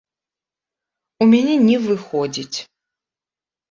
У мяне не выходзіць!